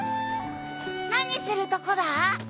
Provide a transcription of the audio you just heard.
何するとこだ？